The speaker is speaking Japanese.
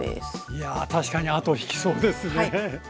いや確かに後を引きそうですね。